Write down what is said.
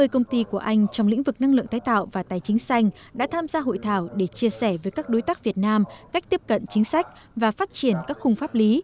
ba mươi công ty của anh trong lĩnh vực năng lượng tái tạo và tài chính xanh đã tham gia hội thảo để chia sẻ với các đối tác việt nam cách tiếp cận chính sách và phát triển các khung pháp lý